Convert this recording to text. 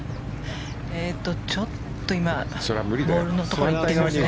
ちょっと今ボールのところは。